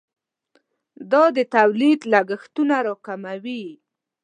دا د تولید لګښتونه راکموي.